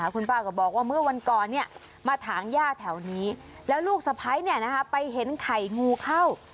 คุณป้าก็บอกว่าเมื่อวันก่อนมาถางย่าแถวนี้แล้วลูกสะพ้ายไปเห็นไข่งูเข้า